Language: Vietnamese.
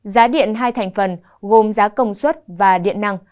giá điện hai thành phần gồm giá công suất và điện năng